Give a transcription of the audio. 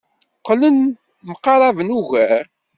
Qqlen mqaraben ugar.